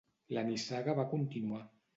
La nissaga va continuar.